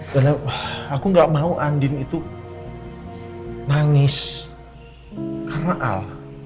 dan aku enggak mau andien itu nangis karena al